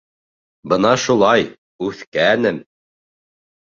Бына шулай, үҫкәнем!